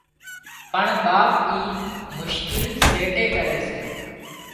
پڻ ٻاپ اي مشڪل سيٽي ڪري سي